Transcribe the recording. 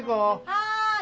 ・はい！